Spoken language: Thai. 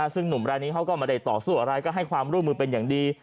ซึ่งหนุ่มรายนี้เขาก็ไม่ได้ต่อสู้อะไรก็ให้ความร่วมมือเป็นอย่างดี